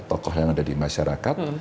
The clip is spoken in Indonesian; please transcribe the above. tokoh yang ada di masyarakat